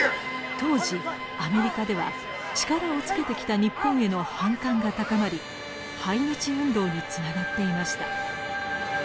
当時アメリカでは力をつけてきた日本への反感が高まり排日運動につながっていました。